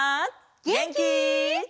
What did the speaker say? げんき？